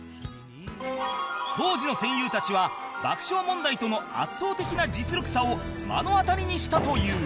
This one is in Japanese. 当時の戦友たちは爆笑問題との圧倒的な実力差を目の当たりにしたという